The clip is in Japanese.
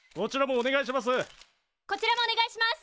こちらもお願いします。